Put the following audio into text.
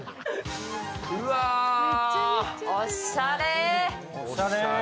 おっしゃれ。